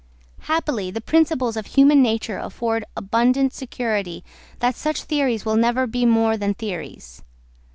Happily the principles of human nature afford abundant security that such theories will never be more than theories.